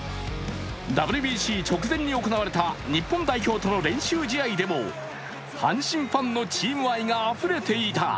ＷＢＣ直前に行われた日本代表との練習試合でも阪神ファンのチーム愛があふれていた。